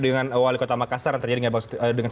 dengan wali kota makassar yang terjadi dengan